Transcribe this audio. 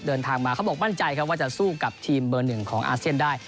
เดินทางมาเขาบอกมั่นใจครับว่าจะสู้กับทีมเบอร์หนึ่งของอาเซียนได้